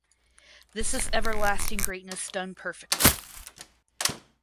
This is everlasting greatness done perfectly.